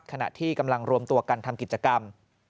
ขณะที่กำลังรวมตัวกันทำกิจกรรม